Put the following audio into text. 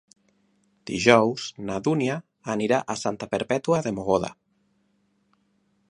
Dijous na Dúnia anirà a Santa Perpètua de Mogoda.